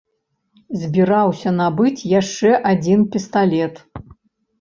Збіраўся набыць яшчэ адзін пісталет.